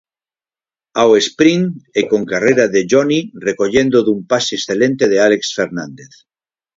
Ao sprint, e con carreira de Joni recollendo dun pase excelente de Álex Fernández.